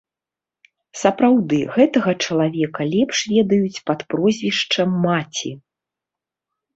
Сапраўды, гэтага чалавека лепш ведаюць пад прозвішчам маці.